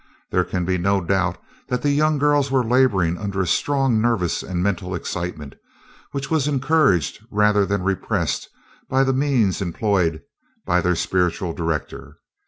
There can be no doubt that the young girls were laboring under a strong nervous and mental excitement, which was encouraged rather than repressed by the means employed by their spiritual director.